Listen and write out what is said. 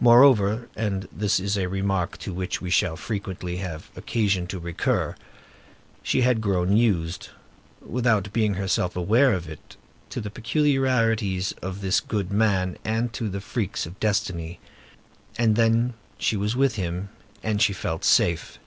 Moreover,—and this is a remark to which we shall frequently have occasion to recur,—she had grown used, without being herself aware of it, to the peculiarities of this good man and to the freaks of destiny. And then she was with him, and she felt safe.